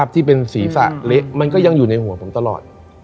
ที่เป็นศีรษะเละมันก็ยังอยู่ในหัวผมตลอด